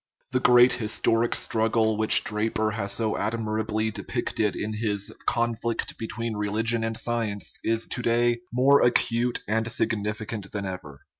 The great historic struggle which Dra per has so admirably depicted in his Conflict between Religion and Science is to day more acute and signifi cant than ever.